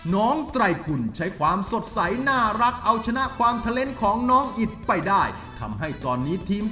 ไตรคุณใช้ความสดใสน่ารักเอาชนะความเทลนด์ของน้องอิดไปได้ทำให้ตอนนี้ทีม